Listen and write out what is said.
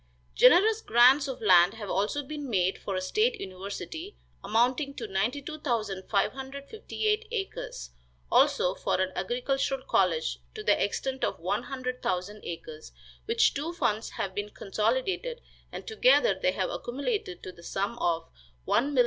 Generous grants of land have also been made for a state university, amounting to 92,558 acres; also, for an agricultural college to the extent of one hundred thousand acres, which two funds have been consolidated, and together they have accumulated to the sum of $1,159,790.